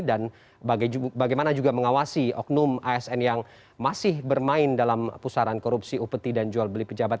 dan bagaimana juga mengawasi oknum asn yang masih bermain dalam pusaran korupsi upeti dan jual beli pejabat